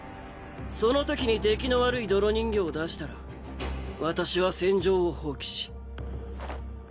そのときに出来の悪い泥人形を出したら私は戦場を放棄し。